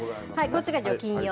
こっちが除菌用。